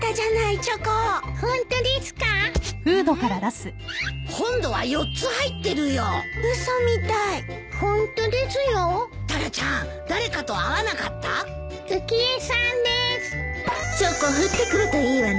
チョコ降ってくるといいわね